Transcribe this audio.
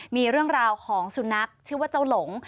มีรายความว่าสุนัขชื่อว่าเจ้าหลง